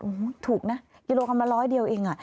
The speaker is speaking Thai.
โอ้โฮถูกนะกิโลกรัมละ๑๐๐เดียวเอง